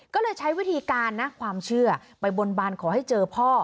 ก็เลยใช้วิธีการนะความเชื่อไปบนบานขอให้เจอพ่อ